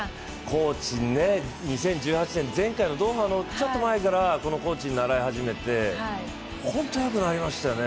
コーチね、２０１９年前回のドーハのちょっと前からこのコーチに習い始めて本当、良くなりましたよね。